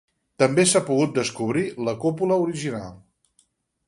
També s'ha pogut descobrir la cúpula original.